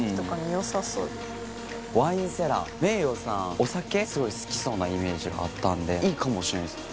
お酒すごい好きそうなイメージがあったんでいいかもしれないです。